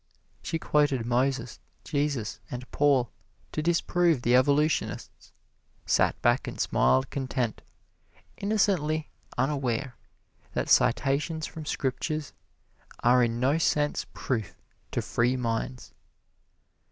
She quoted Moses, Jesus and Paul to disprove the evolutionists, sat back and smiled content, innocently unaware that citations from Scriptures are in no sense proof to free minds.